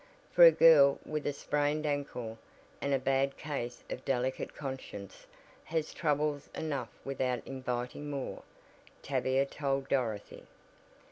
"For a girl with a sprained ankle, and a bad case of delicate conscience, has troubles enough without inviting more," Tavia told Dorothy.